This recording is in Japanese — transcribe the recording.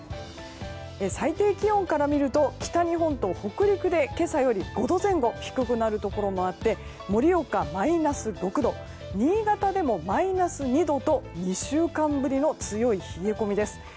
最低気温から見ると北日本と北陸で今朝より５度前後低くなるところもあって盛岡、マイナス６度新潟でもマイナス２度と２週間ぶりの強い冷え込みです。